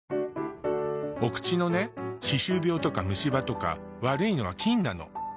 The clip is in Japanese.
お口のね歯周病とか虫歯とか悪いのは菌なの。